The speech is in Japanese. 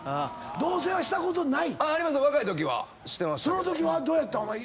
そのときはどうやった？